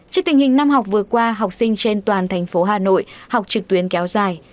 trên tình hình năm học vừa qua học sinh trên toàn tp hà nội học trực tuyến kéo dài